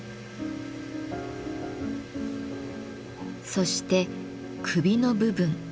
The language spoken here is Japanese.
そして首の部分。